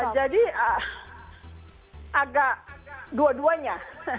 jadi agak dua duanya